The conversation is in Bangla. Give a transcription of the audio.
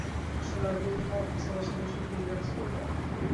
আসো, লাইব্রেরিতে ফায়ারপ্লেসের পাশে বসে একটু রিলাক্স করবে।